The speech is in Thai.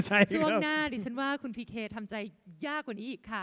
ช่วงหน้าดิฉันว่าคุณพีเคทำใจยากกว่านี้อีกค่ะ